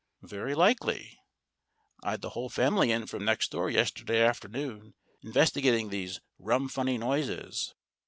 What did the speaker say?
"Very likely. I'd the whole family in from next door yesterday afternoon, investigating these rum funny noises."